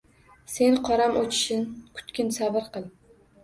Sen qoram o‘chishin kutgil, sabr qil